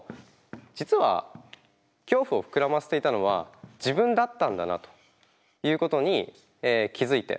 実は恐怖を膨らませていたのは自分だったんだなということに気付いていったと。